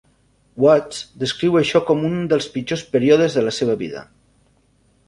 Watts descriu això com un dels pitjors períodes de la seva vida.